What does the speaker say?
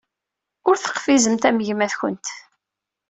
Ur teqfizemt am gma-twent.